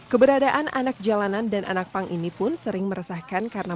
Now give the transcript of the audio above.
keberadaan anak jalanan dan anak pang ini pun sering meresahkan karena